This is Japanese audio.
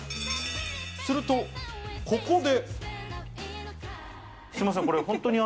すると、ここで。